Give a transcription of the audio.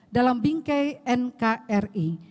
dalam bingkei nkri